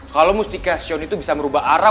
kalau mustication itu bisa merubah arah